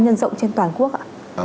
nhân rộng trên toàn quốc ạ